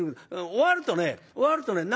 終わるとね終わるとね何だろう